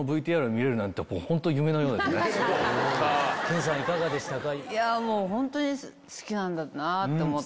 研さんいかがでしたか？